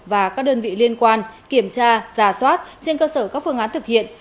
và các đơn vị liên quan kiểm tra giả soát trên cơ sở các phương án thực hiện